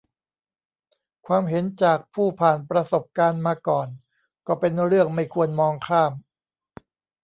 ความเห็นจากผู้ผ่านประสบการณ์มาก่อนก็เป็นเรื่องไม่ควรมองข้าม